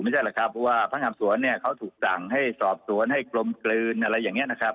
ไม่ใช่หรอกครับเพราะว่าพนักงานสวนเนี่ยเขาถูกสั่งให้สอบสวนให้กลมกลืนอะไรอย่างนี้นะครับ